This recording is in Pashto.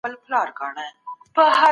د جګړي زیانونه د تمي په پرتله ډېر وو.